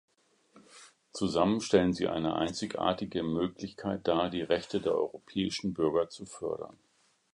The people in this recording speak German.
Zusammen stellen sie eine einzigartige Möglichkeit dar, die Rechte der europäischen Bürger zu fördern.